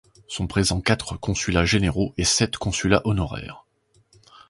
Sont présents quatre consulats généraux et sept consulats honoraires.